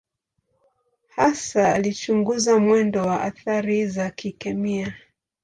Hasa alichunguza mwendo wa athari za kikemia.